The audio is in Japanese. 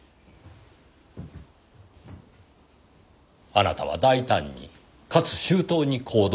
あなたは大胆にかつ周到に行動を起こした。